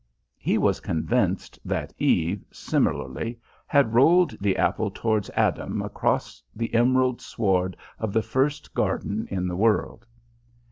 He was convinced that Eve, similarly, had rolled the apple towards Adam across the emerald sward of the first garden in the world.